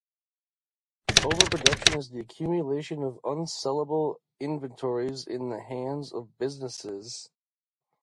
Overproduction is the accumulation of unsalable inventories in the hands of businesses.